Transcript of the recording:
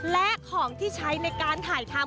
และของที่ใช้ในการถ่ายทำ